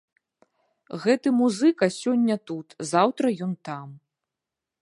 Гэты музыка сёння тут, заўтра ён там.